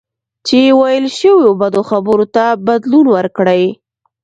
چې ویل شوو بدو خبرو ته بدلون ورکړئ.